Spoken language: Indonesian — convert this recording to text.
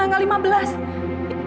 saya akan ke nanggal lima belas